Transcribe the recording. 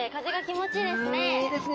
うんいいですね。